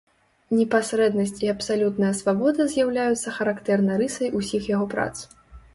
Непасрэднасць і абсалютная свабода з'яўляюцца характэрнай рысай усіх яго прац.